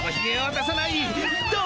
どう？